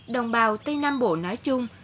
đồng bào tây nam bộ nói chung